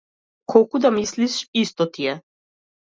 Колку да мислиш исто ти е.